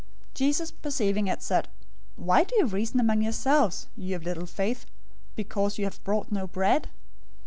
016:008 Jesus, perceiving it, said, "Why do you reason among yourselves, you of little faith, 'because you have brought no bread?'